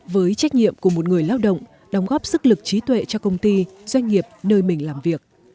với trách nhiệm của một người lao động đóng góp sức lực trí tuệ cho công ty doanh nghiệp nơi mình làm việc